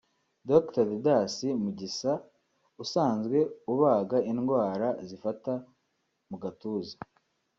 Dr Didace Mugisa usanzwe ubaga indwara zifata mu gatuza